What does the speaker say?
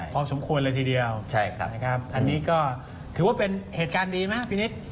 พอสมควรเลยทีเดียวใช่ครับนะครับอันนี้ก็ถือว่าเป็นเหตุการณ์ดีไหมพี่นิด